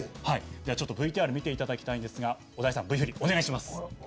ＶＴＲ見ていただきたいんですが小田井さん、お願いします。